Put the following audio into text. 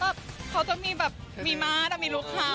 ถ้าจดบางสิ่งอีกครั้งเค้าก็เหมือนไหม